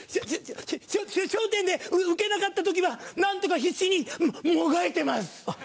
『笑点』でウケなかった時は何とか必死にもがいてます。